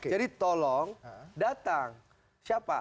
jadi tolong datang siapa